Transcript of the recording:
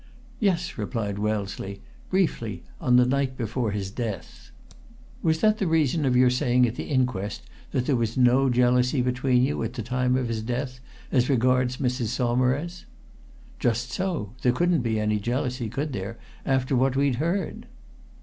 "Yes," replied Wellesley. "Briefly, on the night before his death." "Was that the reason of your saying at the inquest that there was no jealousy between you, at the time of his death, as regards Mrs. Saumarez?" "Just so! There couldn't be any jealousy, could there, after what we'd heard?"